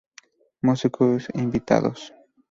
Músicos Invitados